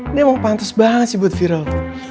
ini emang pantas banget sih buat viral